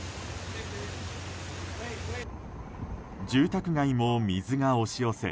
住宅街も水が押し寄せ